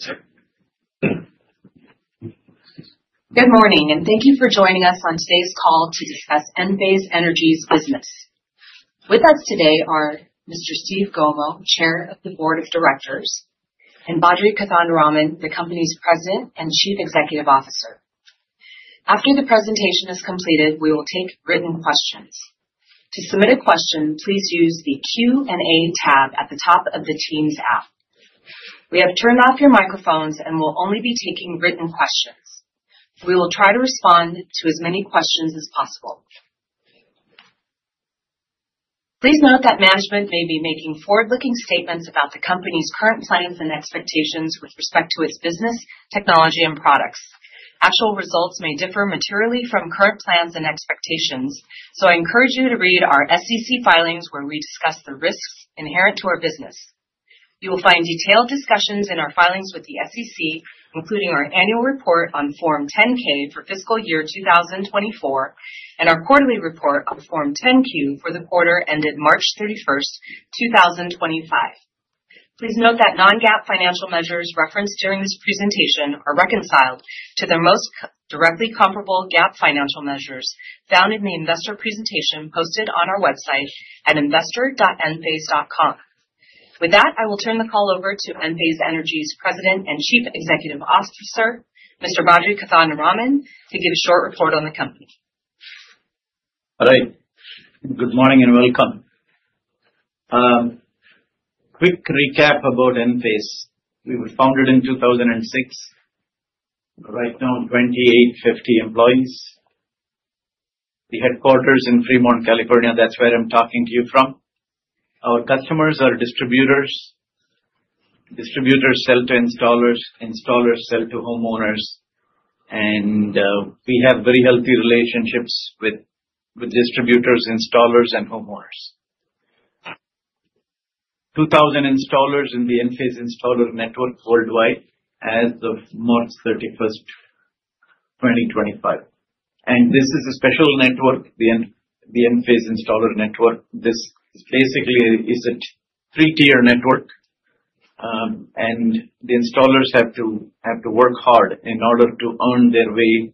Good morning, and thank you for joining us on today's call to discuss Enphase Energy's business. With us today are Mr. Steve Gomo, Chair of the Board of Directors, and Badri Kothandaraman, the company's President and Chief Executive Officer. After the presentation is completed, we will take written questions. To submit a question, please use the Q&A tab at the top of the Teams app. We have turned off your microphones and will only be taking written questions. We will try to respond to as many questions as possible. Please note that management may be making forward-looking statements about the company's current plans and expectations with respect to its business, technology, and products. Actual results may differ materially from current plans and expectations, so I encourage you to read our SEC filings where we discuss the risks inherent to our business. You will find detailed discussions in our filings with the SEC, including our annual report on Form 10-K for fiscal year 2024 and our quarterly report on Form 10-Q for the quarter ended March 31st, 2025. Please note that non-GAAP financial measures referenced during this presentation are reconciled to the most directly comparable GAAP financial measures found in the investor presentation posted on our website at investor.enphase.com. With that, I will turn the call over to Enphase Energy's President and Chief Executive Officer, Mr. Badri Kothandaraman, to give a short report on the company. All right. Good morning and welcome. Quick recap about Enphase. We were founded in 2006. Right now, 2,850 employees. The headquarters is in Fremont, California. That is where I'm talking to you from. Our customers are distributors. Distributors sell to installers. Installers sell to homeowners. We have very healthy relationships with distributors, installers, and homeowners. 2,000 installers in the Enphase installer network worldwide as of March 31st, 2025. This is a special network, the Enphase installer network. This basically is a three-tier network, and the installers have to work hard in order to earn their way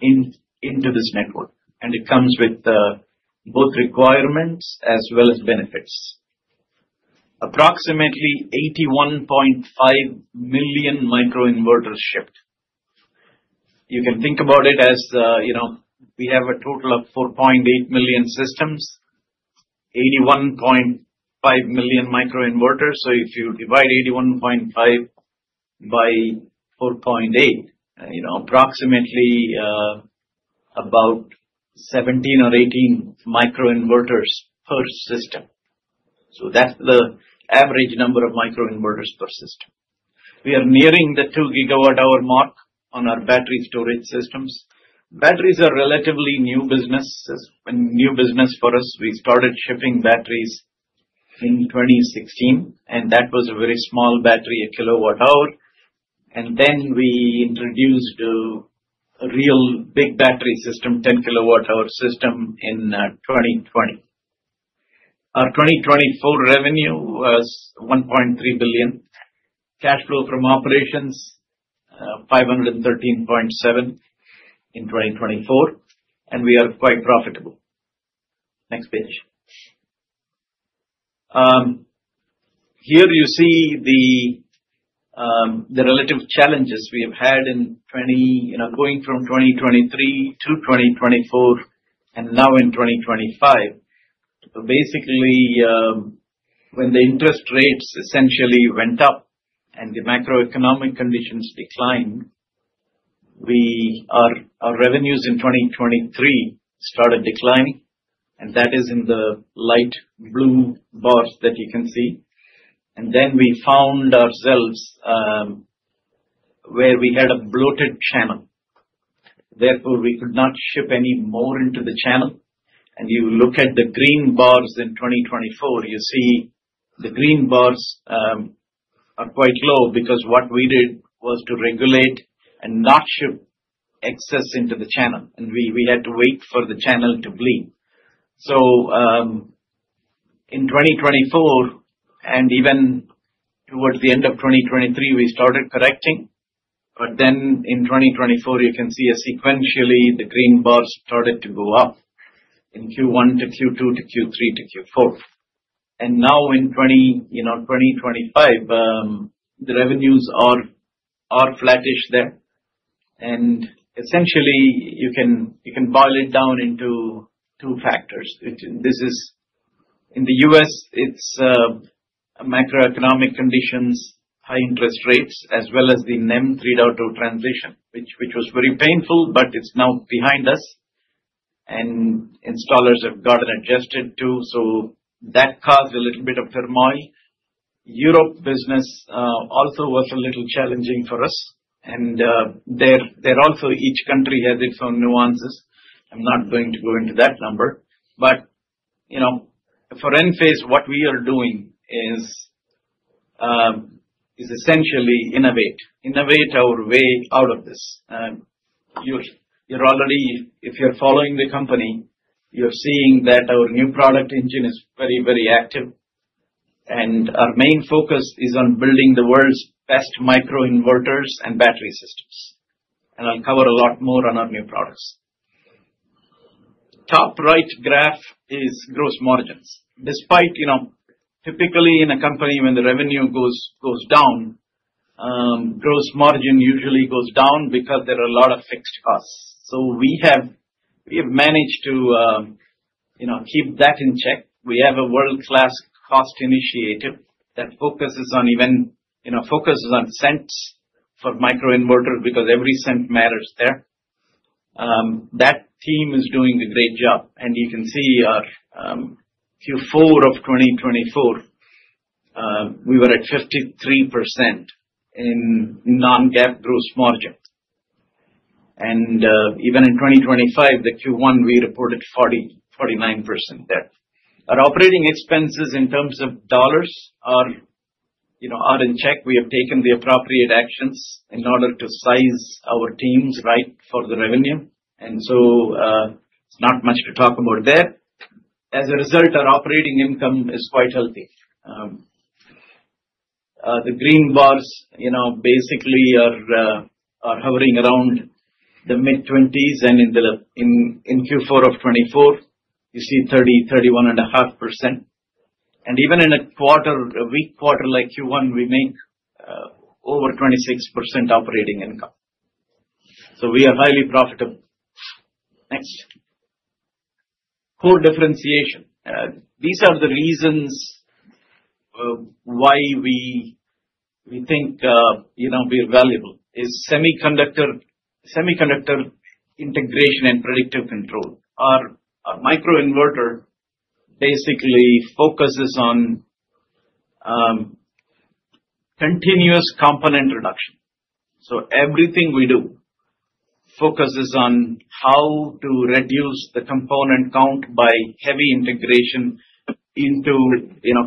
into this network. It comes with both requirements as well as benefits. Approximately 81.5 million microinverters shipped. You can think about it as we have a total of 4.8 million systems, 81.5 million microinverters. If you divide 81.5 by 4.8, approximately about 17 or 18 microinverters per system. That's the average number of microinverters per system. We are nearing the 2 GWh mark on our battery storage systems. Batteries are a relatively new business. It's a new business for us. We started shipping batteries in 2016, and that was a very small battery, a kilowatt-hour. Then we introduced a real big battery system, 10 kWh system in 2020. Our 2024 revenue was $1.3 billion. Cash flow from operations was $513.7 million in 2024, and we are quite profitable. Next page. Here you see the relative challenges we have had going from 2023 to 2024 and now in 2025. Basically, when the interest rates essentially went up and the macroeconomic conditions declined, our revenues in 2023 started declining, and that is in the light blue bars that you can see. Then we found ourselves where we had a bloated channel. Therefore, we could not ship any more into the channel. You look at the green bars in 2024, you see the green bars are quite low because what we did was to regulate and not ship excess into the channel, and we had to wait for the channel to bleed. In 2024, and even towards the end of 2023, we started correcting. In 2024, you can see sequentially the green bars started to go up in Q1 to Q2 to Q3 to Q4. In 2025, the revenues are flattish there. Essentially, you can boil it down into two factors. In the U.S., it is macroeconomic conditions, high interest rates, as well as the NEM 3.0 transition, which was very painful, but it is now behind us, and installers have gotten adjusted to. That caused a little bit of turmoil. Europe business also was a little challenging for us. There also, each country has its own nuances. I'm not going to go into that number. For Enphase, what we are doing is essentially innovate. Innovate our way out of this. If you're following the company, you're seeing that our new product engine is very, very active. Our main focus is on building the world's best microinverters and battery systems. I'll cover a lot more on our new products. Top right graph is gross margins. Typically, in a company, when the revenue goes down, gross margin usually goes down because there are a lot of fixed costs. We have managed to keep that in check. We have a world-class cost initiative that focuses on cents for microinverters because every cent matters there. That team is doing a great job. You can see Q4 of 2024, we were at 53% in non-GAAP gross margin. Even in 2025, the Q1, we reported 49% there. Our operating expenses in terms of dollars are in check. We have taken the appropriate actions in order to size our teams right for the revenue. It is not much to talk about there. As a result, our operating income is quite healthy. The green bars basically are hovering around the mid-20%s. In Q4 of 2024, you see 30%, 31.5%. Even in a quarter, a weak quarter like Q1, we make over 26% operating income. We are highly profitable. Next. Core differentiation. These are the reasons why we think we're valuable: semiconductor integration and predictive control. Our microinverter basically focuses on continuous component reduction. Everything we do focuses on how to reduce the component count by heavy integration into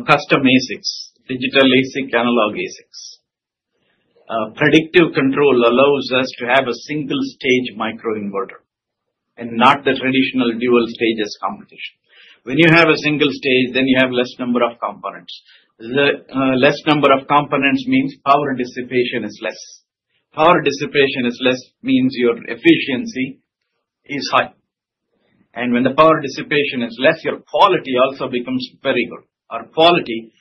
custom ASICs, digital ASIC, analog ASICs. Predictive control allows us to have a single-stage microinverter and not the traditional dual-stages competition. When you have a single stage, then you have a less number of components. Less number of components means power dissipation is less. Power dissipation is less means your efficiency is high. When the power dissipation is less, your quality also becomes very good. Our quality,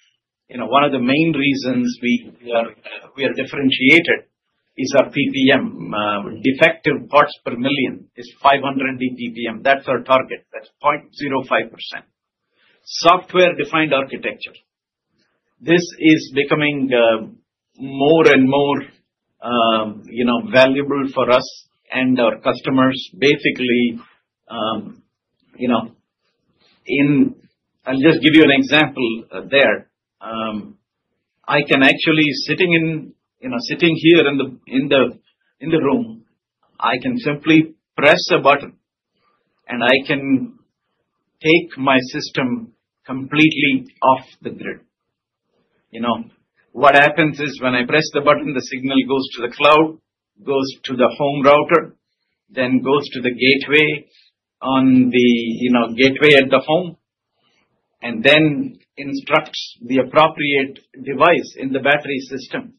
one of the main reasons we are differentiated is our PPM. Defective parts per million is 500 DPPM. That's our target. That's 0.05%. Software-defined architecture. This is becoming more and more valuable for us and our customers. Basically, I'll just give you an example there. I can actually be sitting here in the room. I can simply press a button, and I can take my system completely off the grid. What happens is when I press the button, the signal goes to the cloud, goes to the home router, then goes to the gateway at the home, and then instructs the appropriate device in the battery system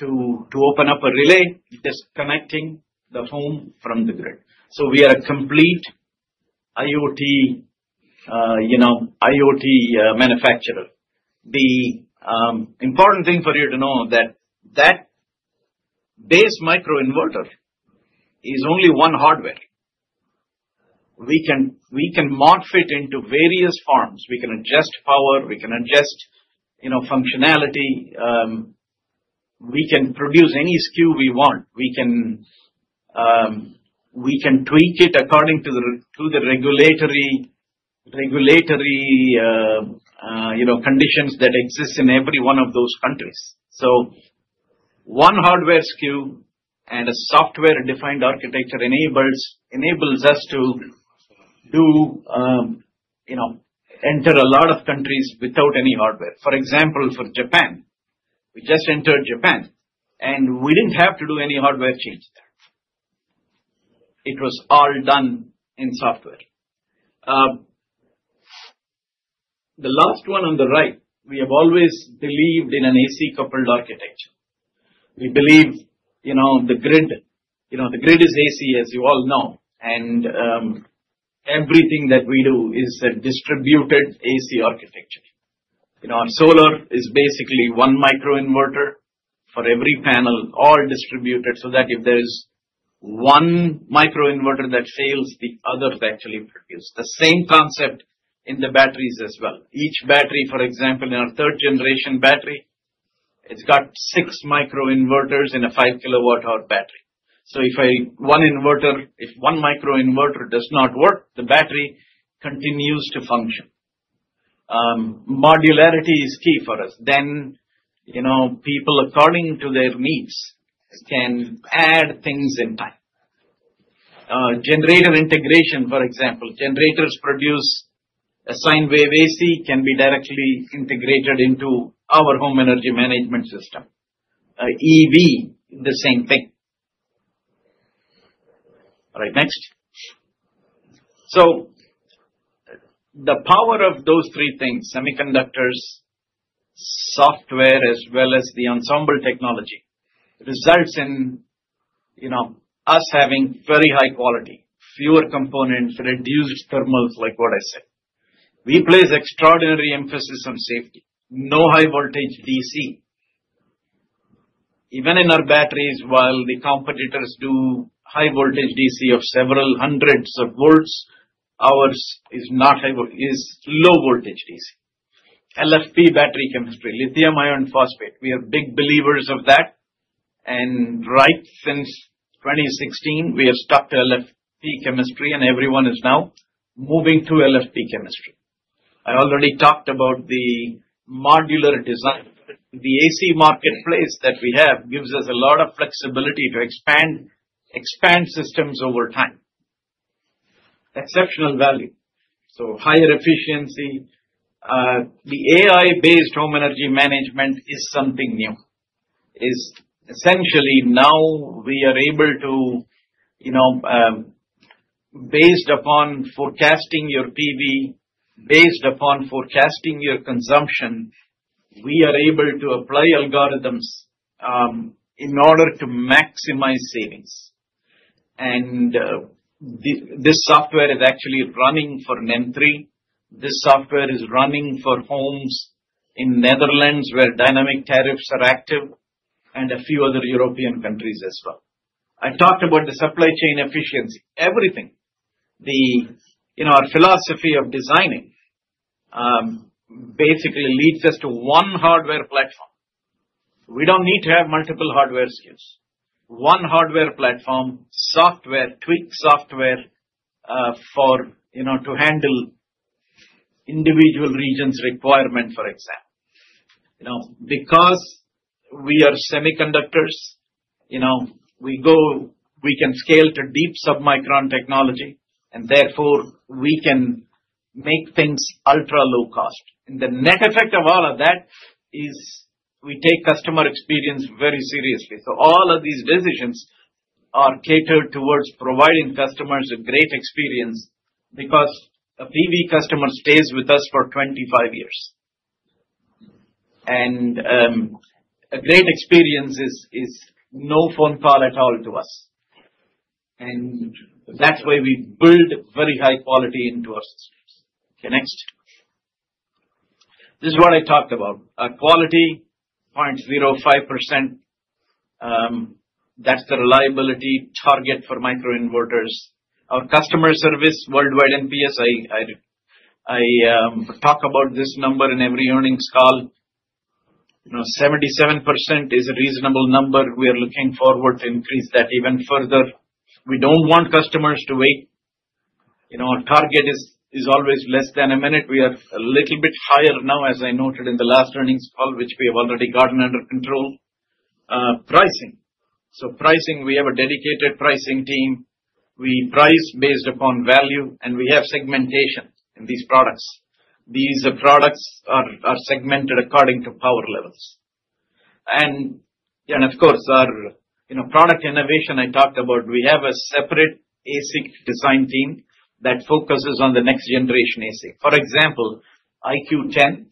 to open up a relay, disconnecting the home from the grid. We are a complete IoT manufacturer. The important thing for you to know is that that base microinverter is only one hardware. We can modify it into various forms. We can adjust power. We can adjust functionality. We can produce any SKU we want. We can tweak it according to the regulatory conditions that exist in every one of those countries. One hardware SKU and a software-defined architecture enables us to enter a lot of countries without any hardware. For example, for Japan, we just entered Japan, and we did not have to do any hardware change there. It was all done in software. The last one on the right, we have always believed in an AC coupled architecture. We believe the grid is AC, as you all know, and everything that we do is a distributed AC architecture. Our solar is basically one microinverter for every panel, all distributed, so that if there is one microinverter that fails, the others actually produce. The same concept in the batteries as well. Each battery, for example, in our third-generation battery, it has six microinverters in a 5 kWh battery. If one microinverter does not work, the battery continues to function. Modularity is key for us. People, according to their needs, can add things in time. Generator integration, for example. Generators produce a sine wave AC, can be directly integrated into our home energy management system. EV, the same thing. All right. Next. The power of those three things, semiconductors, software, as well as the ensemble technology, results in us having very high quality, fewer components, reduced thermals, like what I said. We place extraordinary emphasis on safety. No high-voltage DC. Even in our batteries, while the competitors do high-voltage DC of several hundreds of volts, ours is low-voltage DC. LFP battery chemistry, lithium iron phosphate. We are big believers of that. And right since 2016, we have stuck to LFP chemistry, and everyone is now moving to LFP chemistry. I already talked about the modular design. The AC marketplace that we have gives us a lot of flexibility to expand systems over time. Exceptional value. Higher efficiency. The AI-based home energy management is something new. Essentially, now we are able to, based upon forecasting your PV, based upon forecasting your consumption, we are able to apply algorithms in order to maximize savings. This software is actually running for NEM 3.0. This software is running for homes in Netherlands where dynamic tariffs are active and a few other European countries as well. I talked about the supply chain efficiency. Everything. Our philosophy of designing basically leads us to one hardware platform. We do not need to have multiple hardware SKUs. One hardware platform, tweak software to handle individual region's requirement, for example. Because we are semiconductors, we can scale to deep submicron technology, and therefore we can make things ultra low cost. The net effect of all of that is we take customer experience very seriously. All of these decisions are catered towards providing customers a great experience because a PV customer stays with us for 25 years. A great experience is no phone call at all to us. That is why we build very high quality into our systems. Okay. Next. This is what I talked about. Quality 0.05%. That is the reliability target for microinverters. Our customer service, worldwide NPS, I talk about this number in every earnings call. 77% is a reasonable number. We are looking forward to increase that even further. We do not want customers to wait. Our target is always less than a minute. We are a little bit higher now, as I noted in the last earnings call, which we have already gotten under control. Pricing. Pricing, we have a dedicated pricing team. We price based upon value, and we have segmentation in these products. These products are segmented according to power levels. Of course, our product innovation I talked about, we have a separate ASIC design team that focuses on the next-generation ASIC. For example, IQ10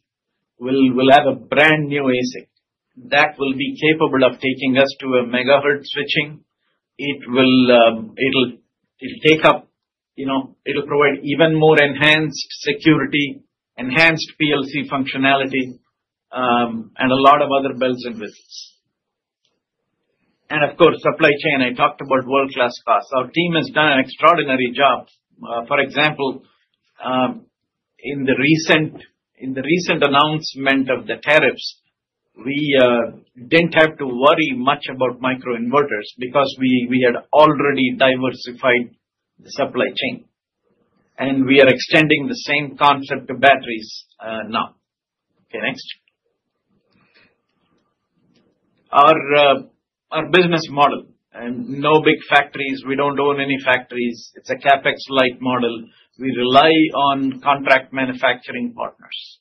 will have a brand new ASIC that will be capable of taking us to a megahertz switching. It will provide even more enhanced security, enhanced PLC functionality, and a lot of other bells and whistles. Of course, supply chain, I talked about world-class costs. Our team has done an extraordinary job. For example, in the recent announcement of the tariffs, we did not have to worry much about microinverters because we had already diversified the supply chain. We are extending the same concept to batteries now. Okay. Next. Our business model, no big factories. We do not own any factories. It is a CapEx-like model. We rely on contract manufacturing partners.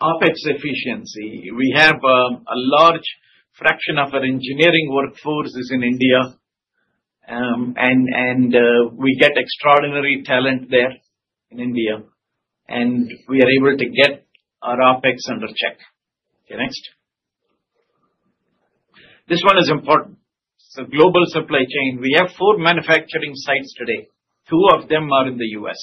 OpEx efficiency. We have a large fraction of our engineering workforce is in India, and we get extraordinary talent there in India. We are able to get our OpEx under check. Okay. Next. This one is important. It is a global supply chain. We have four manufacturing sites today. Two of them are in the U.S,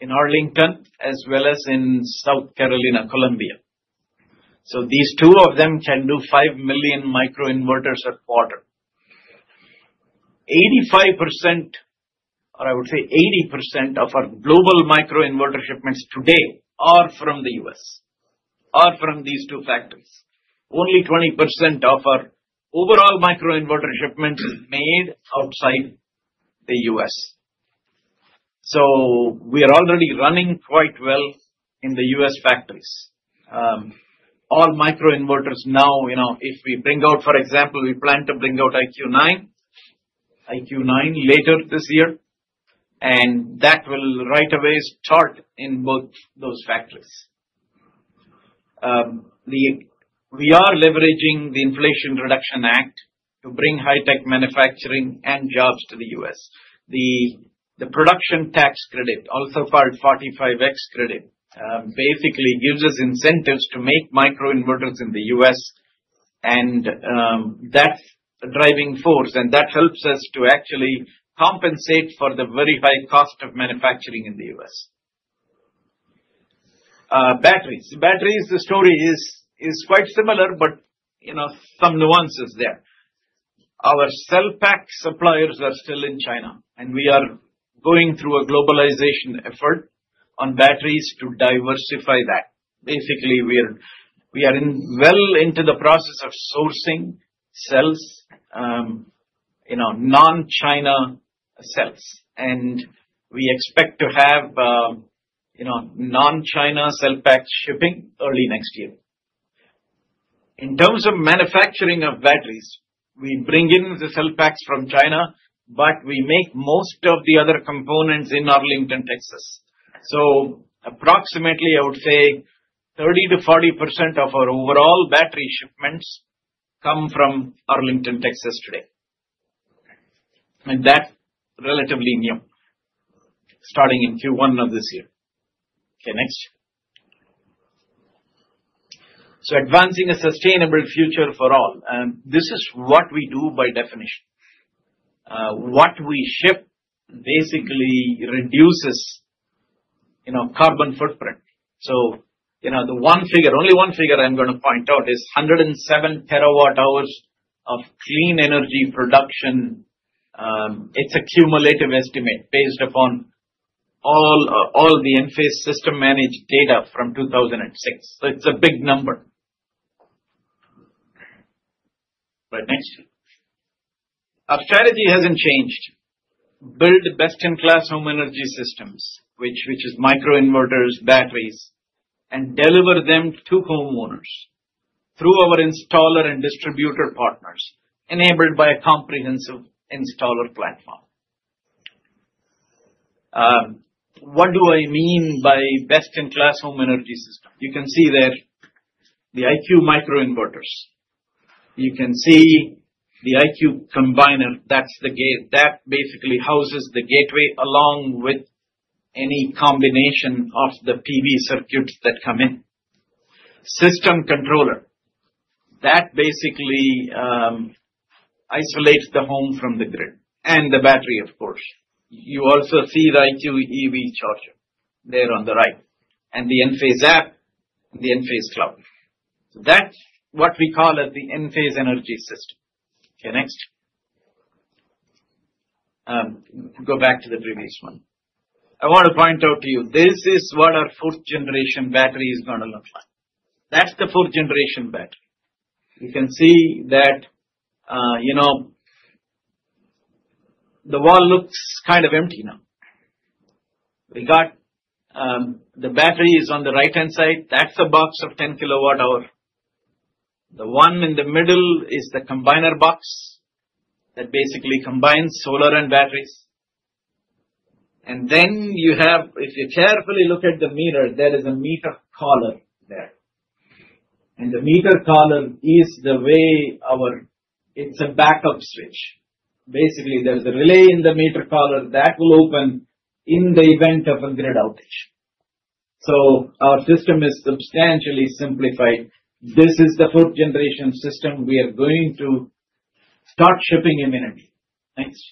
in Arlington, as well as in South Carolina, Columbia. These two of them can do 5 million microinverters a quarter. 85%, or I would say 80% of our global microinverter shipments today are from the U.S, are from these two factories. Only 20% of our overall microinverter shipments is made outside the U.S. We are already running quite well in the U.S factories. All microinverters now, if we bring out, for example, we plan to bring out IQ9 later this year, and that will right away start in both those factories. We are leveraging the Inflation Reduction Act to bring high-tech manufacturing and jobs to the U.S. The production tax credit, also called 45x credit, basically gives us incentives to make microinverters in the U.S, and that's a driving force. That helps us to actually compensate for the very high cost of manufacturing in the U.S. Batteries. Batteries, the story is quite similar, but some nuances there. Our cell pack suppliers are still in China, and we are going through a globalization effort on batteries to diversify that. Basically, we are well into the process of sourcing cells, non-China cells. We expect to have non-China cell pack shipping early next year. In terms of manufacturing of batteries, we bring in the cell packs from China, but we make most of the other components in Arlington, Texas. Approximately, I would say 30%-40% of our overall battery shipments come from Arlington, Texas today. That's relatively new, starting in Q1 of this year. Next. Advancing a sustainable future for all. This is what we do by definition. What we ship basically reduces carbon footprint. The one figure, only one figure I'm going to point out is 107 TWh of clean energy production. It's a cumulative estimate based upon all the Enphase system managed data from 2006. It's a big number. Right. Next. Our strategy hasn't changed. Build best-in-class home energy systems, which is microinverters, batteries, and deliver them to homeowners through our installer and distributor partners, enabled by a comprehensive installer platform. What do I mean by best-in-class home energy system? You can see there the IQ microinverters. You can see the IQ Combiner. That basically houses the gateway along with any combination of the PV circuits that come in. System controller. That basically isolates the home from the grid and the battery, of course. You also see the IQ EV Charger there on the right, and the Enphase App, the Enphase Cloud. That is what we call as the Enphase Energy System. Okay. Next. Go back to the previous one. I want to point out to you, this is what our fourth-generation battery is going to look like. That is the fourth-generation battery. You can see that the wall looks kind of empty now. The battery is on the right-hand side. That is a box of 10 kWh. The one in the middle is the combiner box that basically combines solar and batteries. And then you have, if you carefully look at the meter, there is a meter collar there. The meter collar is the way our—it's a backup switch. Basically, there's a relay in the meter collar that will open in the event of a grid outage. Our system is substantially simplified. This is the fourth-generation system we are going to start shipping imminently. Next.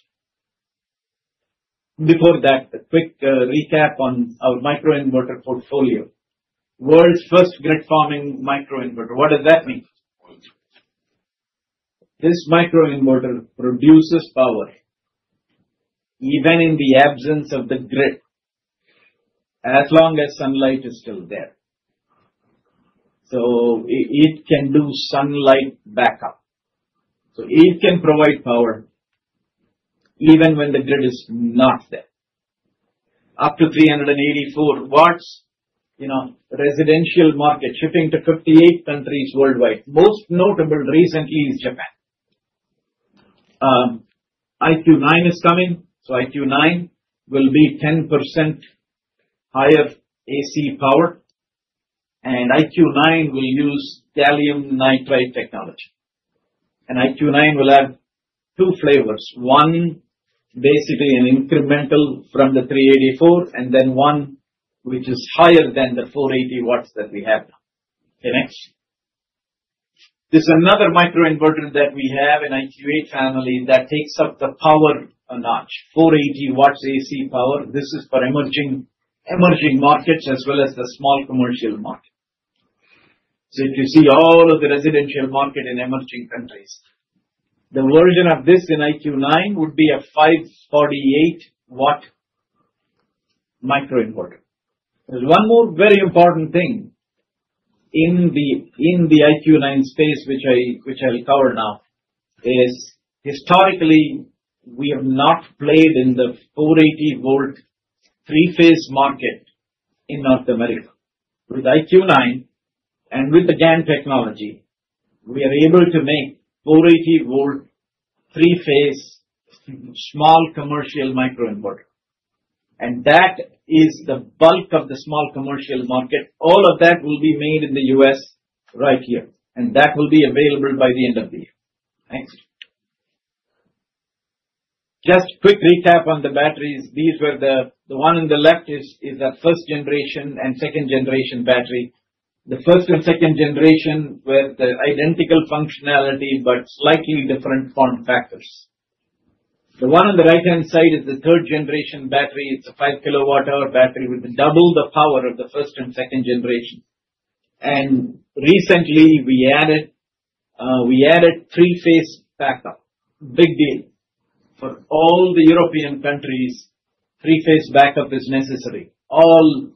Before that, a quick recap on our microinverter portfolio. World's first grid-farming microinverter. What does that mean? This microinverter produces power even in the absence of the grid, as long as sunlight is still there. It can do sunlight backup. It can provide power even when the grid is not there. Up to 384 W, residential market shipping to 58 countries worldwide. Most notable recently is Japan. IQ9 is coming. IQ9 will be 10% higher AC power. IQ9 will use gallium nitride technology. IQ9 will have two flavors. One, basically an incremental from the 384 W, and then one which is higher than the 480 W that we have now. Okay. Next. This is another microinverter that we have in the IQ8 family that takes up the power a notch, 480 W AC power. This is for emerging markets as well as the small commercial market. If you see all of the residential market in emerging countries, the version of this in IQ9 would be a 548 W microinverter. There is one more very important thing in the IQ9 space, which I will cover now, is historically we have not played in the 480 V three-phase market in North America. With IQ9 and with the GaN technology, we are able to make a 480 V three-phase small commercial microinverter. That is the bulk of the small commercial market. All of that will be made in the U.S right here. That will be available by the end of the year. Next. Just quick recap on the batteries. The one on the left is a First Generation and Second Generation Battery. The First and Second Generation with the identical functionality but slightly different form factors. The one on the right-hand side is the Third Generation Battery. It is a 5 kWh battery with double the power of the first and second generation. Recently, we added three-phase backup. Big deal. For all the European countries, three-phase backup is necessary. For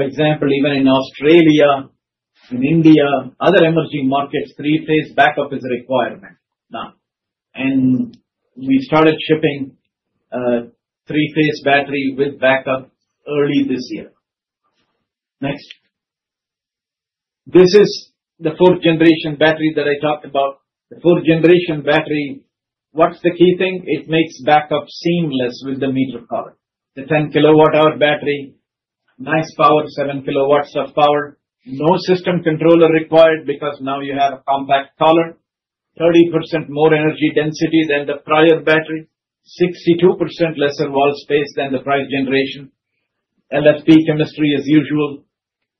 example, even in Australia, in India, other emerging markets, three-phase backup is a requirement now. We started shipping three-phase battery with backup early this year. Next. This is the fourth-generation battery that I talked about. The fourth-generation battery, what is the key thing? It makes backup seamless with the meter collar. The 10 kWh battery, nice power, 7 kW of power. No system controller required because now you have a compact collar, 30% more energy density than the prior battery, 62% lesser wall space than the prior generation. LFP chemistry as usual.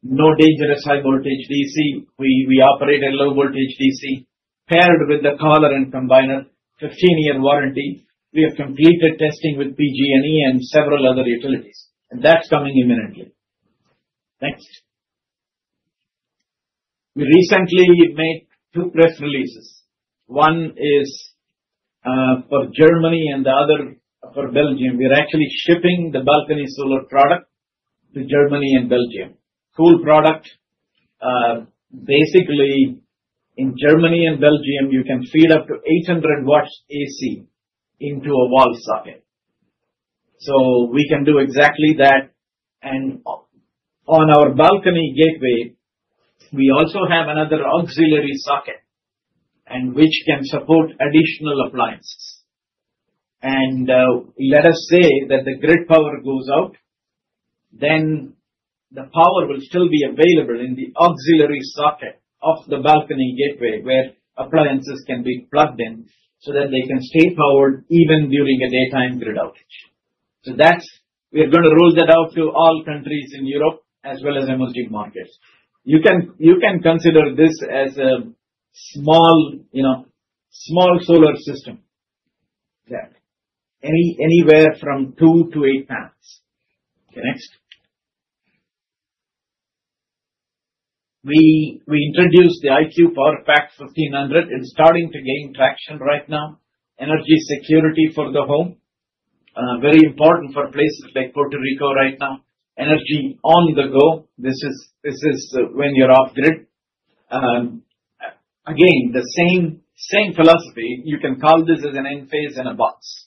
No dangerous high-voltage DC. We operate at low-voltage DC paired with the collar and combiner, 15-year warranty. We have completed testing with PG&E and several other utilities. That is coming imminently. Next. We recently made two press releases. One is for Germany and the other for Belgium. We are actually shipping the balcony solar product to Germany and Belgium. Cool product. Basically, in Germany and Belgium, you can feed up to 800 W AC into a wall socket. We can do exactly that. On our balcony gateway, we also have another auxiliary socket, which can support additional appliances. Let us say that the grid power goes out, then the power will still be available in the auxiliary socket of the balcony gateway where appliances can be plugged in so that they can stay powered even during a daytime grid outage. We are going to roll that out to all countries in Europe as well as emerging markets. You can consider this as a small solar system there, anywhere from two to eight panels. Okay. Next. We introduced the IQ Power Pack 1500. It is starting to gain traction right now. Energy security for the home, very important for places like Puerto Rico right now. Energy on the go. This is when you are off-grid. Again, the same philosophy. You can call this as an Enphase in a box.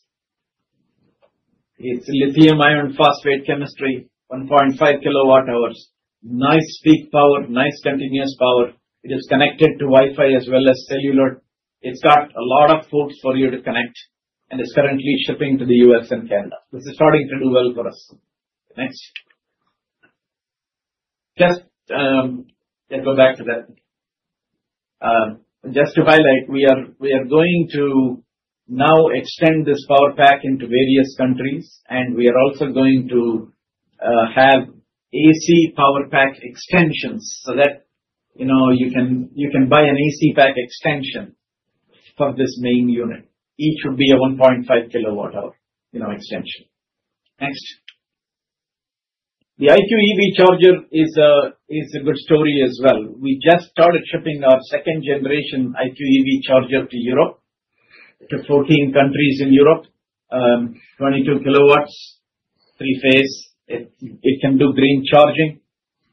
It is lithium iron phosphate chemistry, 1.5 kWh. Nice peak power, nice continuous power. It is connected to Wi-Fi as well as cellular. It's got a lot of ports for you to connect, and it's currently shipping to the U.S and Canada. This is starting to do well for us. Next. Just go back to that. Just to highlight, we are going to now extend this power pack into various countries, and we are also going to have AC power pack extensions so that you can buy an AC pack extension for this main unit. Each would be a 1.5 kWh extension. Next. The IQ EV charger is a good story as well. We just started shipping our second-generation IQ EV charger to Europe, to 14 countries in Europe. 22 kW, three-phase. It can do green charging.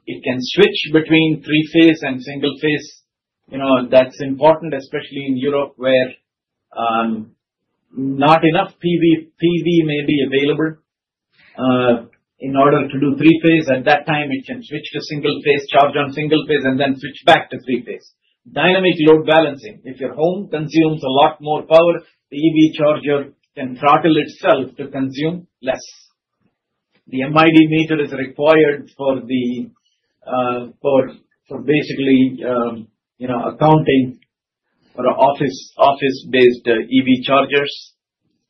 It can switch between three-phase and single-phase. That's important, especially in Europe where not enough PV may be available in order to do three-phase. At that time, it can switch to single-phase, charge on single-phase, and then switch back to three-phase. Dynamic load balancing. If your home consumes a lot more power, the EV charger can throttle itself to consume less. The MID meter is required for basically accounting for office-based EV chargers.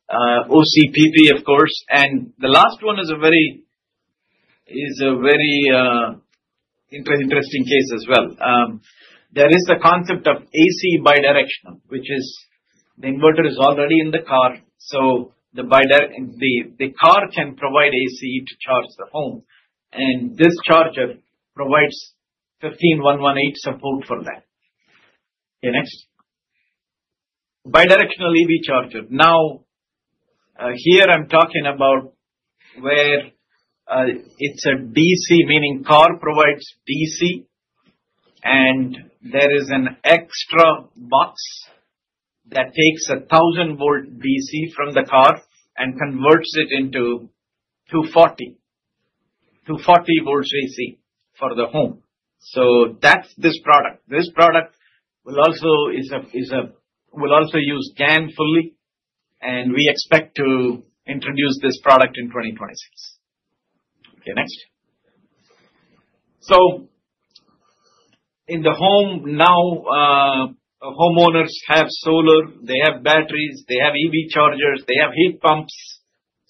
OCPP, of course. The last one is a very interesting case as well. There is the concept of AC bidirectional, which is the inverter is already in the car. The car can provide AC to charge the home. This charger provides 15118 support for that. Okay. Next. Bidirectional EV charger. Now, here I'm talking about where it's a DC, meaning car provides DC, and there is an extra box that takes 1,000 V DC from the car and converts it into 240 V AC for the home. That's this product. This product will also use GaN fully, and we expect to introduce this product in 2026. Next. In the home now, homeowners have solar. They have batteries. They have EV chargers. They have heat pumps.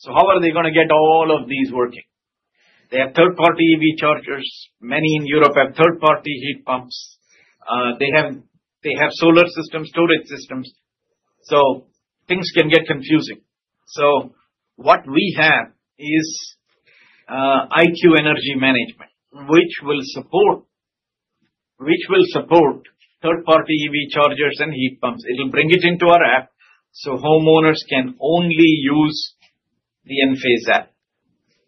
How are they going to get all of these working? They have third-party EV chargers. Many in Europe have third-party heat pumps. They have solar systems, storage systems. Things can get confusing. What we have is IQ Energy Management, which will support third-party EV chargers and heat pumps. It'll bring it into our app so homeowners can only use the Enphase App.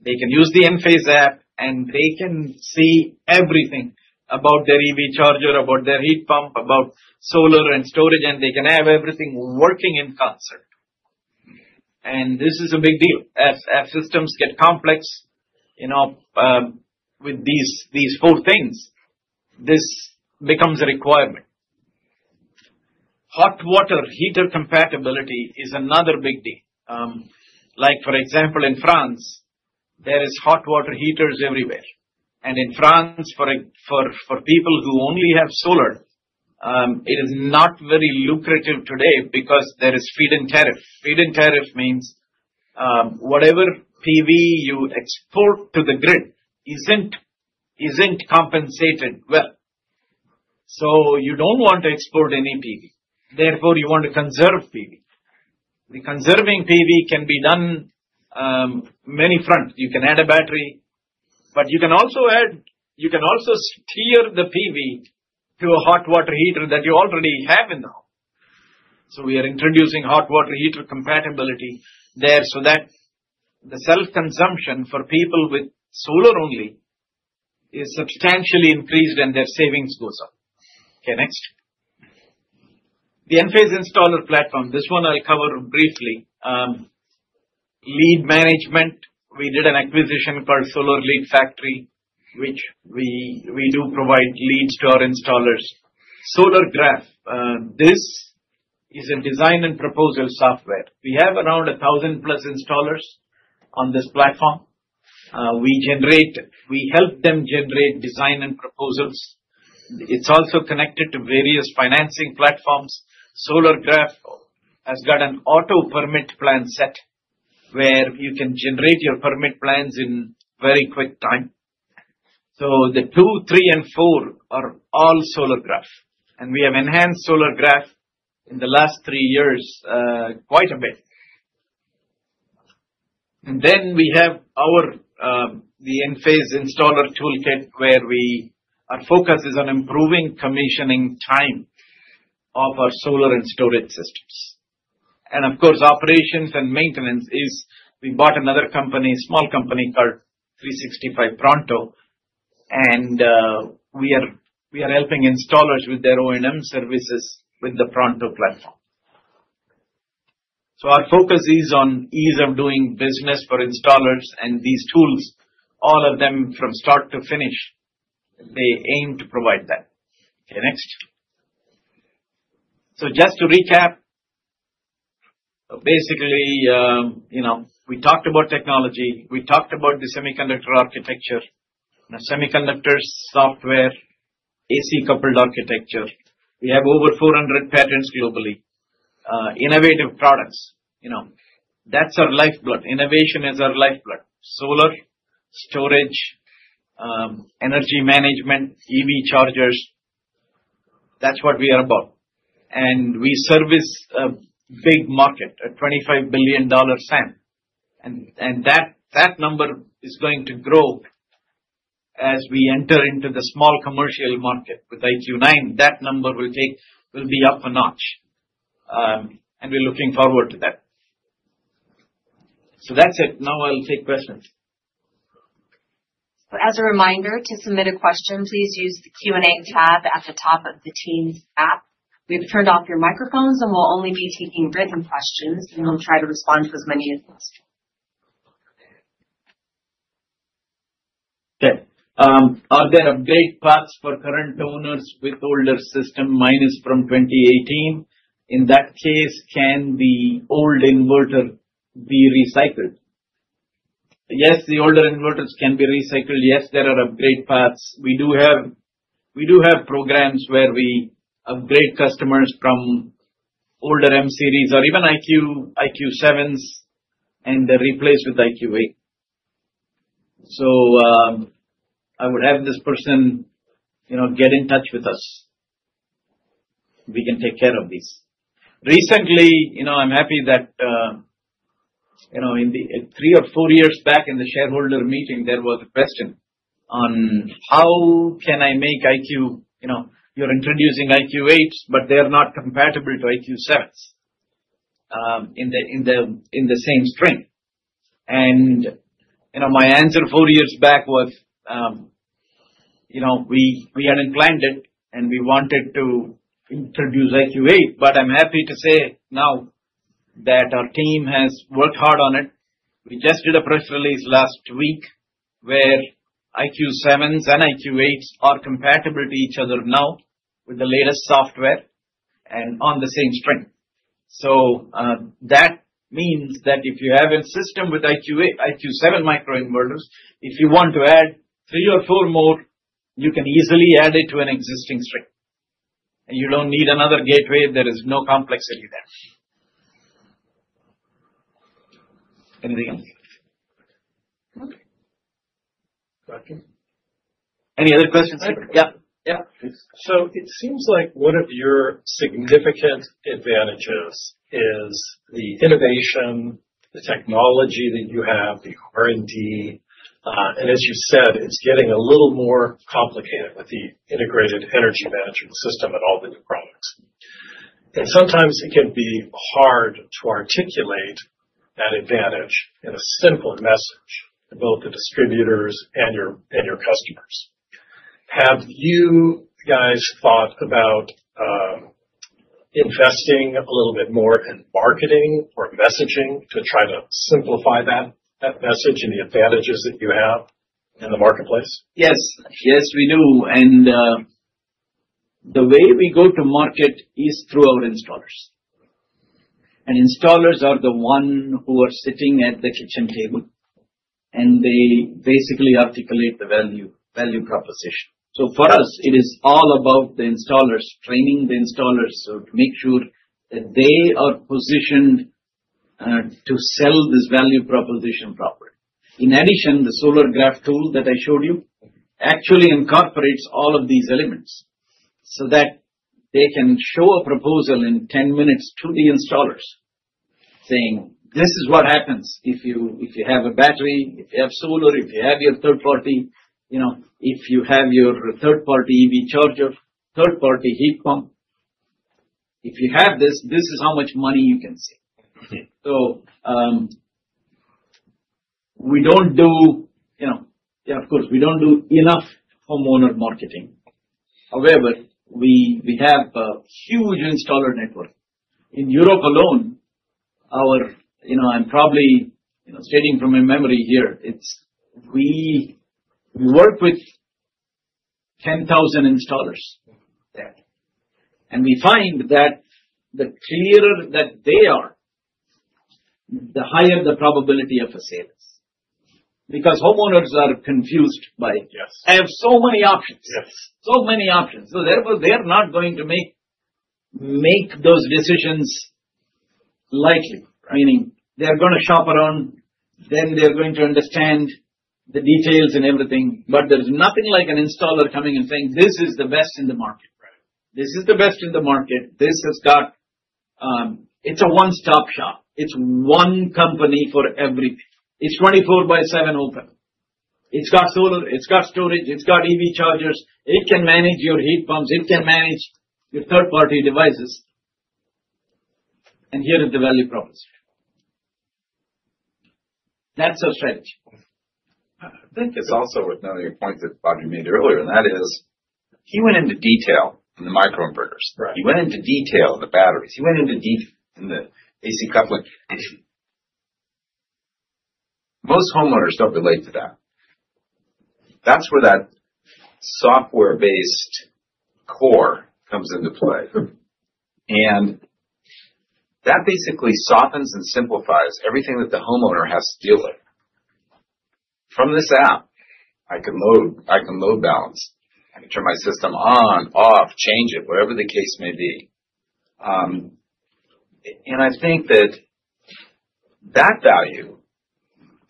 They can use the Enphase App, and they can see everything about their EV charger, about their heat pump, about solar and storage, and they can have everything working in concert. This is a big deal. As systems get complex with these four things, this becomes a requirement. Hot water heater compatibility is another big deal. For example, in France, there are hot water heaters everywhere. In France, for people who only have solar, it is not very lucrative today because there is feed-in tariff. Feed-in tariff means whatever PV you export to the grid is not compensated well. You do not want to export any PV. Therefore, you want to conserve PV. The conserving PV can be done many fronts. You can add a battery, but you can also steer the PV to a hot water heater that you already have in the home. We are introducing hot water heater compatibility there so that the self-consumption for people with solar only is substantially increased and their savings goes up. Next. The Enphase installer platform, this one I will cover briefly. Lead management, we did an acquisition called Solar Lead Factory, which we do provide leads to our installers. Solargraf, this is a design and proposal software. We have around 1,000-plus installers on this platform. We help them generate design and proposals. It's also connected to various financing platforms. Solargraf has got an auto permit plan set where you can generate your permit plans in very quick time. The two, three, and four are all Solargraf. We have enhanced Solargraf in the last three years quite a bit. We have the Enphase Installer Toolkit where our focus is on improving commissioning time of our solar and storage systems. Of course, operations and maintenance is we bought another small company called 365 Pronto, and we are helping installers with their O&M services with the Pronto Platform. Our focus is on ease of doing business for installers and these tools, all of them from start to finish. They aim to provide that. Okay. Next. Just to recap, basically, we talked about technology. We talked about the semiconductor architecture, semiconductor software, AC coupled architecture. We have over 400 patents globally, innovative products. That is our lifeblood. Innovation is our lifeblood. Solar, storage, energy management, EV chargers. That is what we are about. We service a big market, a $25 billion SAM. That number is going to grow as we enter into the small commercial market with IQ9. That number will be up a notch. We are looking forward to that. That is it. Now I will take questions. As a reminder, to submit a question, please use the Q&A tab at the top of the Teams app. We've turned off your microphones, and we'll only be taking written questions, and we'll try to respond to as many as possible. Okay. Are there upgrade paths for current owners with older systems minus from 2018? In that case, can the old inverter be recycled? Yes, the older inverters can be recycled. Yes, there are upgrade paths. We do have programs where we upgrade customers from older M-series or even IQ7s and replace with IQ8. I would have this person get in touch with us. We can take care of these. Recently, I'm happy that three or four years back in the shareholder meeting, there was a question on how can I make IQ, you're introducing IQ8s, but they are not compatible to IQ7s in the same string. My answer four years back was we had not planned it, and we wanted to introduce IQ8, but I am happy to say now that our team has worked hard on it. We just did a press release last week where IQ7s and IQ8s are compatible to each other now with the latest software and on the same string. That means that if you have a system with IQ7 microinverters, if you want to add three or four more, you can easily add it to an existing string. You do not need another gateway. There is no complexity there. Anything else? Okay. Gotcha. Any other questions? Yeah. Yeah. It seems like one of your significant advantages is the innovation, the technology that you have, the R&D. As you said, it is getting a little more complicated with the integrated energy management system and all the new products. Sometimes it can be hard to articulate that advantage in a simple message to both the distributors and your customers. Have you guys thought about investing a little bit more in marketing or messaging to try to simplify that message and the advantages that you have in the marketplace? Yes. Yes, we do. The way we go to market is through our installers. Installers are the ones who are sitting at the kitchen table, and they basically articulate the value proposition. For us, it is all about the installers, training the installers to make sure that they are positioned to sell this value proposition properly. In addition, the Solargraf tool that I showed you actually incorporates all of these elements so that they can show a proposal in 10 minutes to the installers saying, "This is what happens if you have a battery, if you have solar, if you have your third-party, if you have your third-party EV charger, third-party heat pump. If you have this, this is how much money you can save." We do not do, yeah, of course, we do not do enough homeowner marketing. However, we have a huge installer network. In Europe alone, I am probably stating from my memory here. We work with 10,000 installers there. We find that the clearer that they are, the higher the probability of a sale is because homeowners are confused by, "I have so many options. So many options." They're not going to make those decisions lightly, meaning they're going to shop around. They're going to understand the details and everything. There's nothing like an installer coming and saying, "This is the best in the market. This is the best in the market. This has got—it's a one-stop shop. It's one company for everything. It's 24/7 open. It's got solar. It's got storage. It's got EV chargers. It can manage your heat pumps. It can manage your third-party devices." Here is the value proposition. That's our strategy. I think it's also with another point that Badri made earlier, and that is he went into detail in the microinverters. He went into detail in the batteries. He went into detail in the AC coupling. Most homeowners don't relate to that. That's where that software-based core comes into play. That basically softens and simplifies everything that the homeowner has to deal with. From this app, I can load balance. I can turn my system on, off, change it, whatever the case may be. I think that that value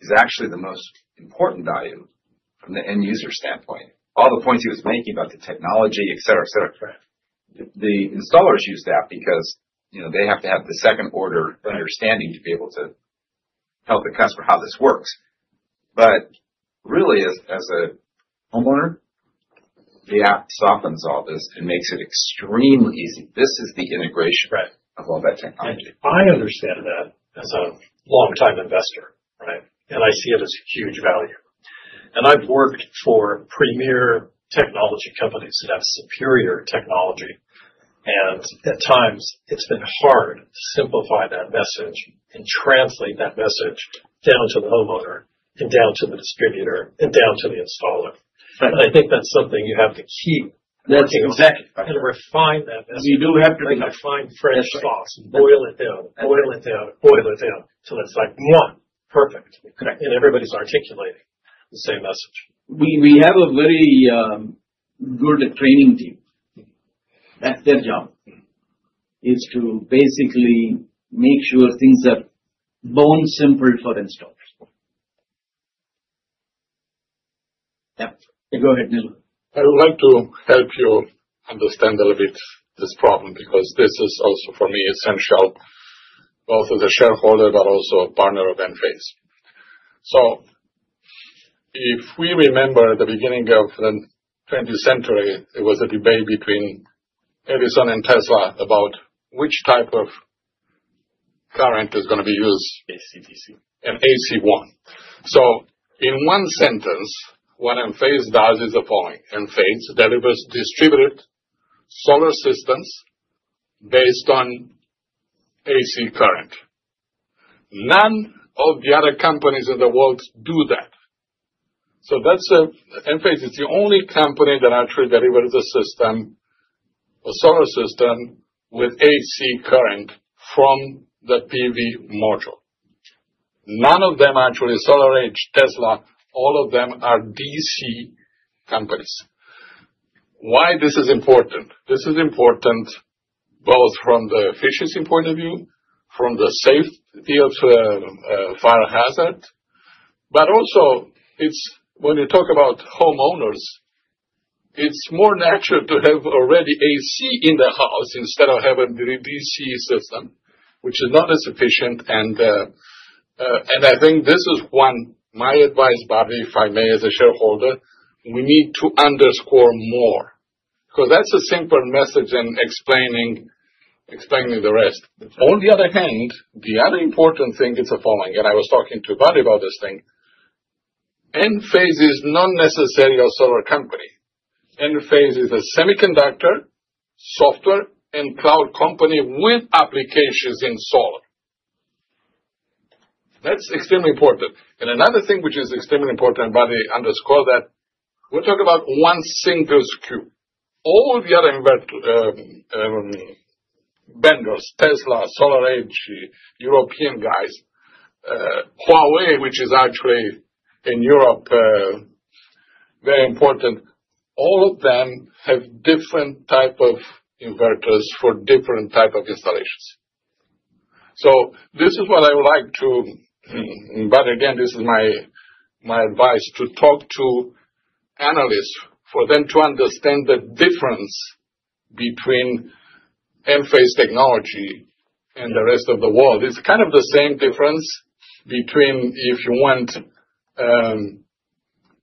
is actually the most important value from the end user standpoint. All the points he was making about the technology, etc., etc., the installers use that because they have to have the second-order understanding to be able to tell the customer how this works. Really, as a homeowner, the app softens all this and makes it extremely easy. This is the integration of all that technology. I understand that as a long-time investor, right? I see it as huge value. I have worked for premier technology companies that have superior technology. At times, it's been hard to simplify that message and translate that message down to the homeowner and down to the distributor and down to the installer. I think that's something you have to keep working on and refine that message. You do have to refine fresh sauce and boil it down, boil it down, boil it down until it's like one, perfect. Everybody's articulating the same message. We have a very good training team. That's their job, is to basically make sure things are bone simple for installers. Yeah. Go ahead, Nilu. I would like to help you understand a little bit this problem because this is also, for me, essential, both as a shareholder but also a partner of Enphase. If we remember the beginning of the 20th century, there was a debate between Edison and Tesla about which type of current is going to be used. AC, DC. AC won. In one sentence, what Enphase does is the following. Enphase delivers distributed solar systems based on AC current. None of the other companies in the world do that. Enphase is the only company that actually delivers a system or solar system with AC current from the PV module. None of them actually—SolarEdge, Tesla—all of them are DC companies. Why is this important? This is important both from the efficiency point of view, from the safety of fire hazard. Also, when you talk about homeowners, it is more natural to have already AC in the house instead of having the DC system, which is not as efficient. I think this is one—my advice, Badri, if I may, as a shareholder, we need to underscore more because that's a simple message in explaining the rest. On the other hand, the other important thing is the following. I was talking to Badri about this thing. Enphase is not necessarily a solar company. Enphase is a semiconductor software and cloud company with applications in solar. That's extremely important. Another thing which is extremely important, Badri, underscore that we're talking about one single SKU. All the other vendors—Tesla, SolarEdge, European guys, Huawei, which is actually in Europe, very important—all of them have different types of inverters for different types of installations. This is what I would like to—but again, this is my advice—to talk to analysts for them to understand the difference between Enphase technology and the rest of the world. It's kind of the same difference between if you want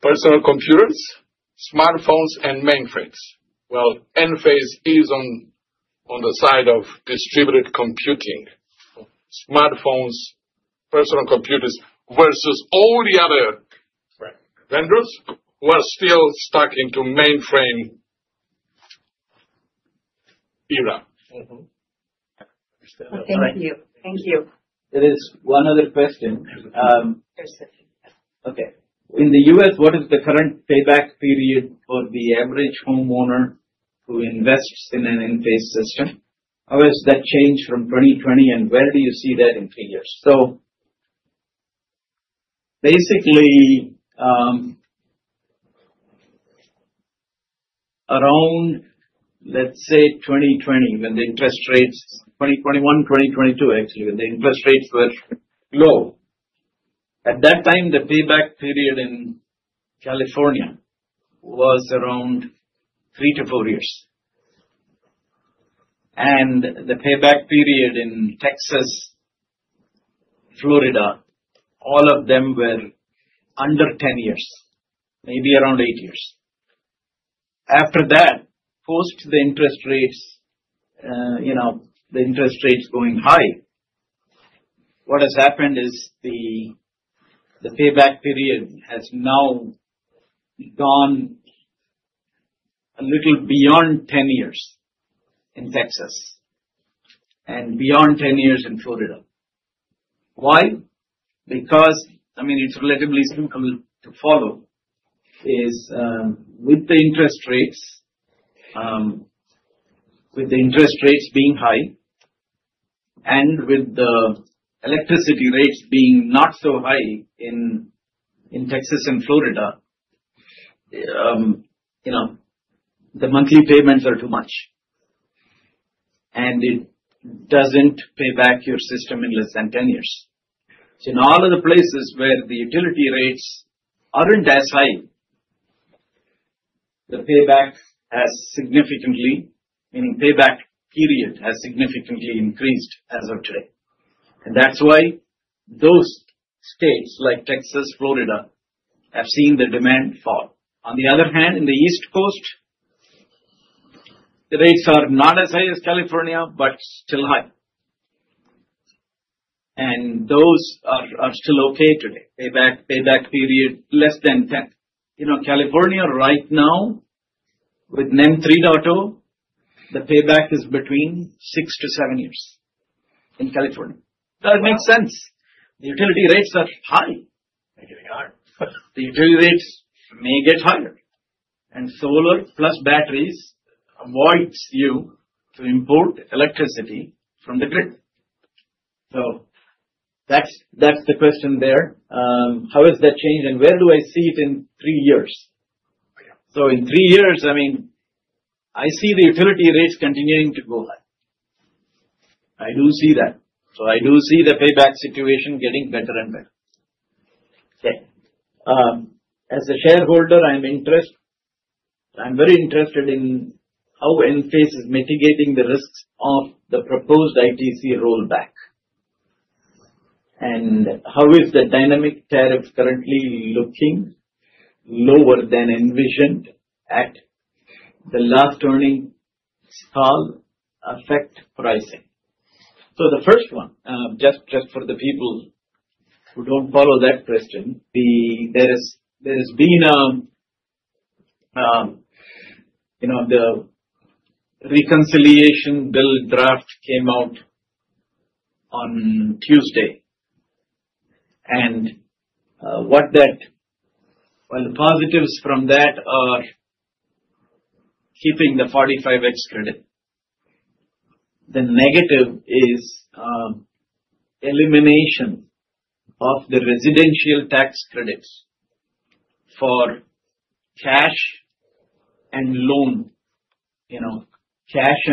personal computers, smartphones, and mainframes—Enphase is on the side of distributed computing, smartphones, personal computers versus all the other vendors who are still stuck in the mainframe era. I understand that. Thank you. Thank you. There is one other question. Okay. In the U.S., what is the current payback period for the average homeowner who invests in an Enphase system? How has that changed from 2020, and where do you see that in three years? Basically, around, let's say, 2020, when the interest rates—2021, 2022, actually—when the interest rates were low. At that time, the payback period in California was around three to four years. The payback period in Texas, Florida, all of them were under 10 years, maybe around 8 years. After that, post the interest rates, the interest rates going high, what has happened is the payback period has now gone a little beyond 10 years in Texas and beyond 10 years in Florida. Why? Because, I mean, it's relatively simple to follow, is with the interest rates, with the interest rates being high and with the electricity rates being not so high in Texas and Florida, the monthly payments are too much. It doesn't pay back your system in less than 10 years. In all of the places where the utility rates aren't as high, the payback has significantly—meaning payback period has significantly increased as of today. That's why those states like Texas, Florida have seen the demand fall. On the other hand, in the East Coast, the rates are not as high as California but still high. Those are still okay today. Payback period less than 10. California right now, with NEM 3.0, the payback is between six to seven years in California. Does it make sense? The utility rates are high. They really are. The utility rates may get higher. Solar plus batteries avoids you to import electricity from the grid. That is the question there. How has that changed and where do I see it in three years? In three years, I see the utility rates continuing to go high. I do see that. I do see the payback situation getting better and better. Okay. As a shareholder, I'm very interested in how Enphase is mitigating the risks of the proposed ITC rollback. How does the dynamic tariff currently looking lower than envisioned at the last earnings call affect pricing? The first one, just for the people who do not follow that question. There has been the reconciliation bill draft came out on Tuesday. What that—well, the positives from that are keeping the 45x credit. The negative is elimination of the residential tax credits for cash and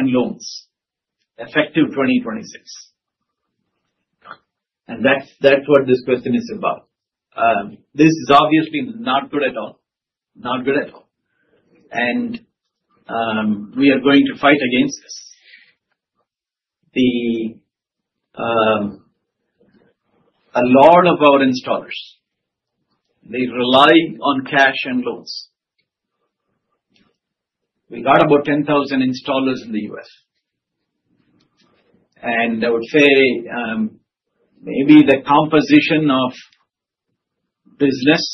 loans, effective 2026. That is what this question is about. This is obviously not good at all. Not good at all. We are going to fight against this. A lot of our installers, they rely on cash and loans. We got about 10,000 installers in the U.S. I would say maybe the composition of business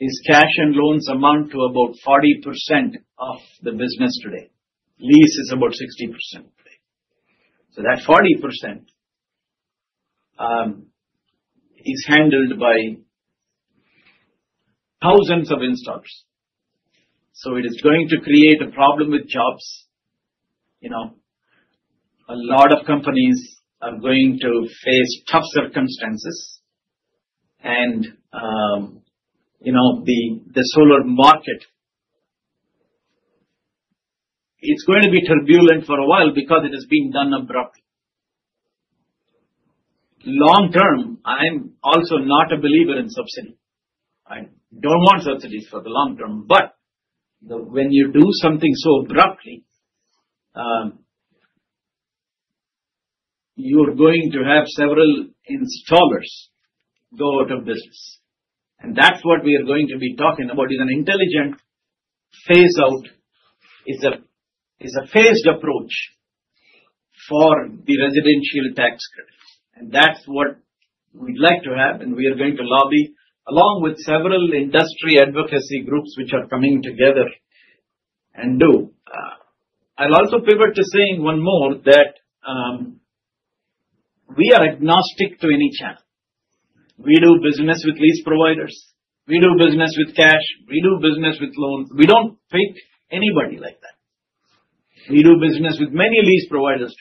is cash and loans amount to about 40% of the business today. Lease is about 60% today. That 40% is handled by thousands of installers. It is going to create a problem with jobs. A lot of companies are going to face tough circumstances. The solar market, it's going to be turbulent for a while because it has been done abruptly. Long term, I'm also not a believer in subsidy. I don't want subsidies for the long term. When you do something so abruptly, you're going to have several installers go out of business. That is what we are going to be talking about, an intelligent phase-out. It's a phased approach for the residential tax credit. That is what we'd like to have. We are going to lobby, along with several industry advocacy groups which are coming together and do. I'll also pivot to saying one more, that we are agnostic to any channel. We do business with lease providers. We do business with cash. We do business with loans. We don't fake anybody like that. We do business with many lease providers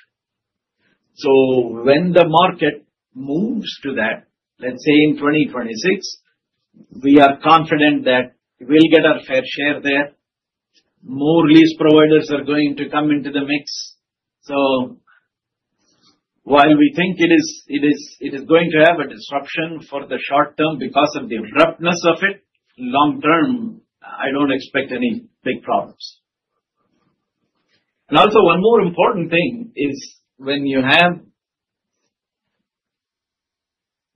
too. When the market moves to that, let's say in 2026, we are confident that we'll get our fair share there. More lease providers are going to come into the mix. While we think it is going to have a disruption for the short term because of the abruptness of it, long term, I don't expect any big problems. Also, one more important thing is when you have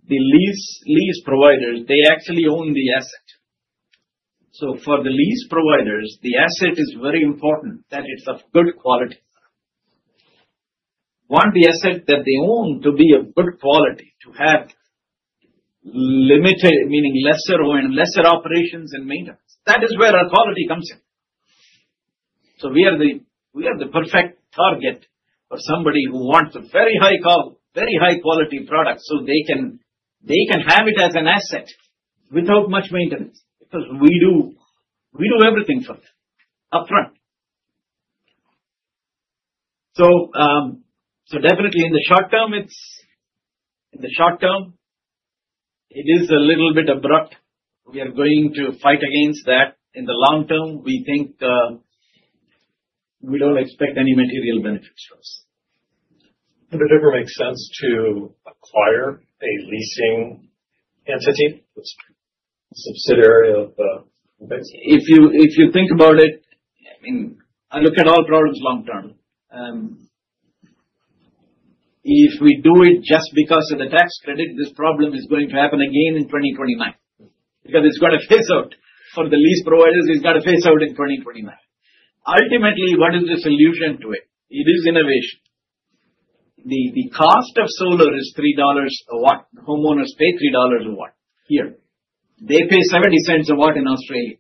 the lease providers, they actually own the asset. For the lease providers, the asset is very important that it's of good quality. They want the asset that they own to be of good quality, to have limited, meaning lesser operations and maintenance. That is where our quality comes in. We are the perfect target for somebody who wants a very high-quality product so they can have it as an asset without much maintenance because we do everything for them upfront. Definitely, in the short term, it is a little bit abrupt. We are going to fight against that. In the long term, we think we do not expect any material benefits for us. Would it ever make sense to acquire a leasing entity, a subsidiary of Enphase? If you think about it, I mean, I look at all problems long term. If we do it just because of the tax credit, this problem is going to happen again in 2029 because it is going to phase out. For the lease providers, it is going to phase out in 2029. Ultimately, what is the solution to it? It is innovation. The cost of solar is $3 a watt. Homeowners pay $3 a watt here. They pay $0.70 a watt in Australia.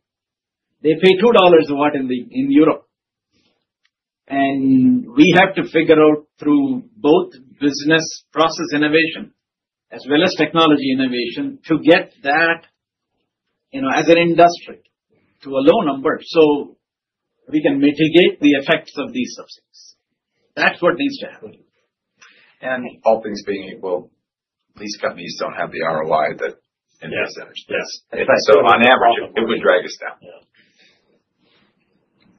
They pay $2 a watt in Europe. We have to figure out through both business process innovation as well as technology innovation to get that as an industry to a low number so we can mitigate the effects of these subsidies. That is what needs to happen. All things being equal, these companies do not have the ROI that Enphase Energy has. Yes. On average, it would drag us down.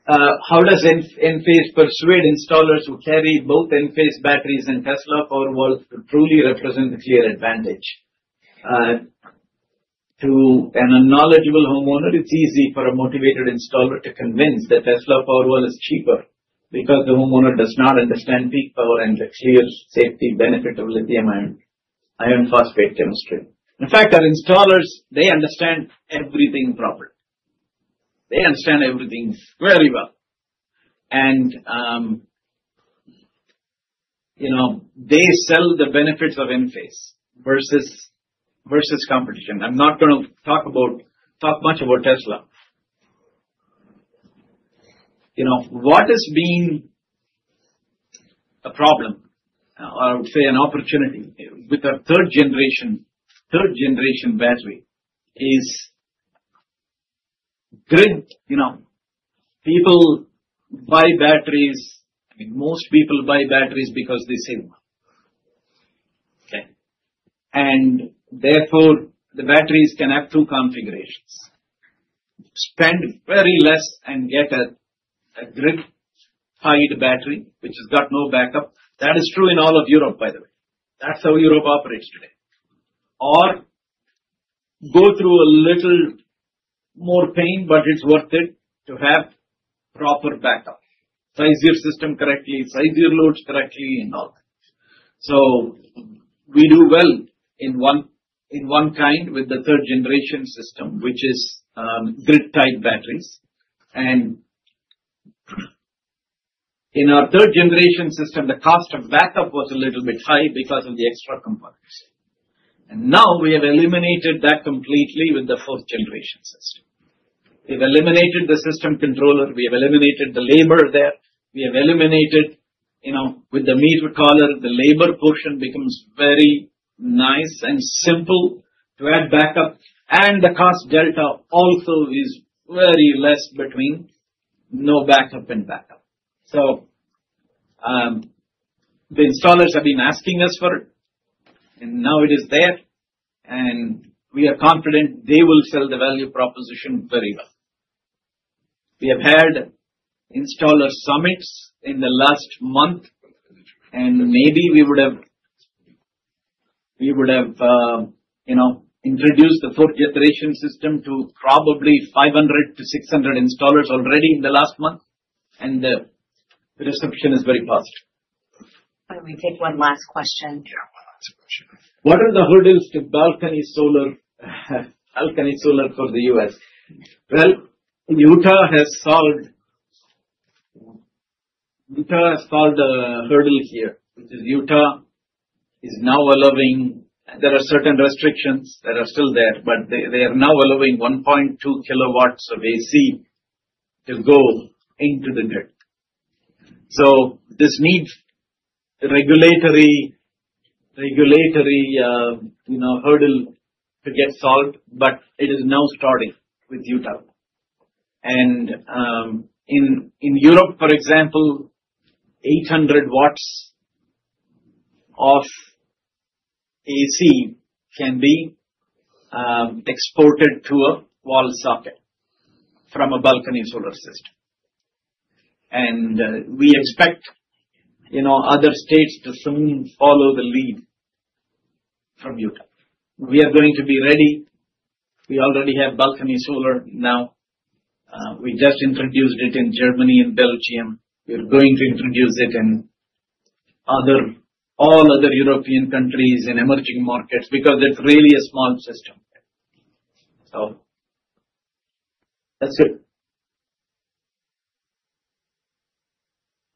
How does Enphase persuade installers who carry both Enphase batteries and Tesla Powerwall to truly represent a clear advantage? To an unknowledgeable homeowner, it is easy for a motivated installer to convince that Tesla Powerwall is cheaper because the homeowner does not understand peak power and the clear safety benefit of lithium iron phosphate chemistry. In fact, our installers, they understand everything properly. They understand everything very well. They sell the benefits of Enphase versus competition. I'm not going to talk much about Tesla. What has been a problem, or I would say an opportunity with our third-generation battery is grid. People buy batteries. I mean, most people buy batteries because they save money. Okay. Therefore, the batteries can have two configurations. Spend very little and get a grid-tied battery which has got no backup. That is true in all of Europe, by the way. That's how Europe operates today. Or go through a little more pain, but it's worth it to have proper backup. Size your system correctly, size your loads correctly, and all that. We do well in one kind with the third-generation system, which is grid-tied batteries. In our third-generation system, the cost of backup was a little bit high because of the extra components. Now we have eliminated that completely with the fourth-generation system. We have eliminated the system controller. We have eliminated the labor there. We have eliminated, with the meter collar, the labor portion becomes very nice and simple to add backup. The cost delta also is very less between no backup and backup. The installers have been asking us for it. Now it is there. We are confident they will sell the value proposition very well. We have had installer summits in the last month. Maybe we would have introduced the fourth-generation system to probably 500-600 installers already in the last month. The reception is very positive. Let me take one last question. Yeah, one last question. What are the hurdles to balcony solar for the U.S? Utah has solved a hurdle here, which is Utah is now allowing, there are certain restrictions that are still there, but they are now allowing 1.2 kW of AC to go into the grid. This needs regulatory hurdle to get solved, but it is now starting with Utah. In Europe, for example, 800 W of AC can be exported to a wall socket from a balcony solar system. We expect other states to soon follow the lead from Utah. We are going to be ready. We already have balcony solar now. We just introduced it in Germany and Belgium. We are going to introduce it in all other European countries and emerging markets because it is really a small system. That is it.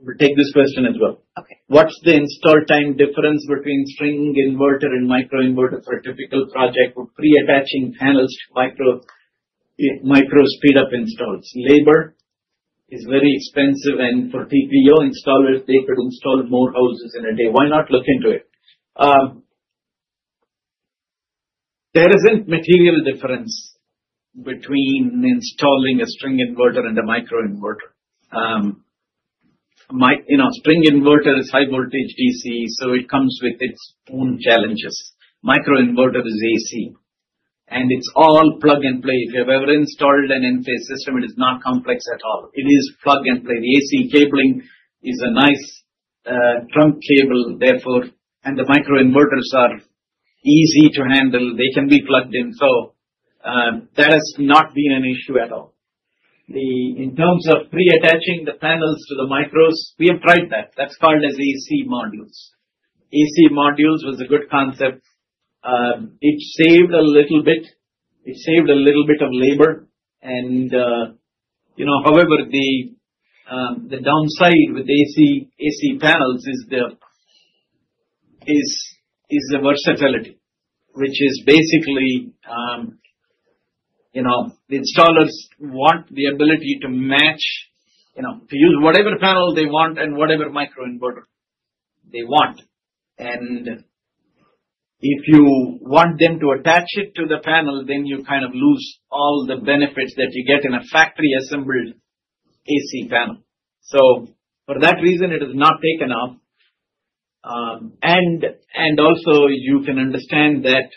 We will take this question as well. What's the install time difference between string inverter and microinverter for a typical project with pre-attaching panels to micro speed-up installs? Labor is very expensive. For TPO installers, they could install more houses in a day. Why not look into it? There isn't material difference between installing a string inverter and a microinverter. String inverter is high-voltage DC, so it comes with its own challenges. Microinverter is AC. It is all plug and play. If you've ever installed an Enphase system, it is not complex at all. It is plug and play. The AC cabling is a nice trunk cable, therefore. The microinverters are easy to handle. They can be plugged in. That has not been an issue at all. In terms of pre-attaching the panels to the micros, we have tried that. That's called AC modules. AC modules was a good concept. It saved a little bit. It saved a little bit of labor. However, the downside with AC panels is the versatility, which is basically the installers want the ability to use whatever panel they want and whatever microinverter they want. If you want them to attach it to the panel, then you kind of lose all the benefits that you get in a factory-assembled AC panel. For that reason, it is not taken up. Also, you can understand that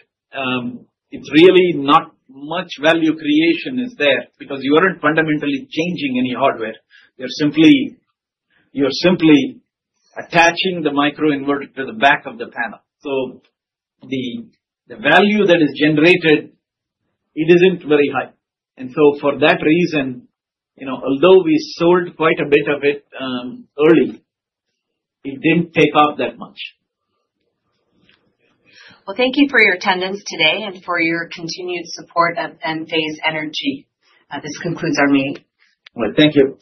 it's really not much value creation is there because you aren't fundamentally changing any hardware. You're simply attaching the microinverter to the back of the panel. The value that is generated, it isn't very high. For that reason, although we sold quite a bit of it early, it didn't take off that much. Thank you for your attendance today and for your continued support of Enphase Energy. This concludes our meeting. Thank you.